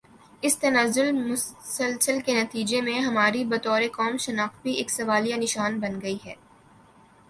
اس تنزل مسلسل کے نتیجے میں ہماری بطور قوم شناخت بھی ایک سوالیہ نشان بن گئی